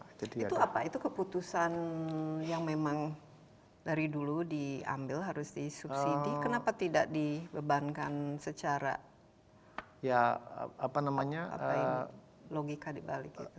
itu apa itu keputusan yang memang dari dulu diambil harus disubsidi kenapa tidak dibebankan secara logika dibalik itu